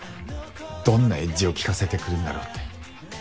どんなエッジを効かせてくるんだろうって。